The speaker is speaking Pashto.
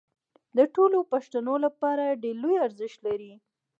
د ټولو پښتنو لپاره ډېر لوی ارزښت لري